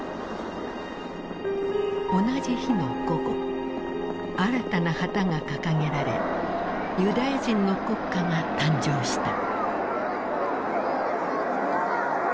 同じ日の午後新たな旗が掲げられユダヤ人の国家が誕生した。